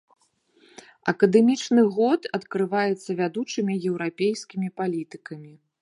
Акадэмічны год адкрываецца вядучымі еўрапейскімі палітыкамі.